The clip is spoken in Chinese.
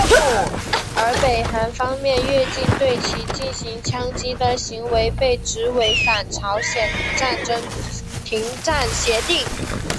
而北韩方面越境对其进行枪击的行为被指违反朝鲜战争停战协定。